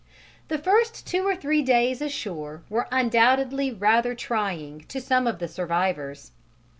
The first two or three days ashore were undoubtedly rather trying to some of the survivors.